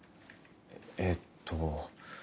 えっと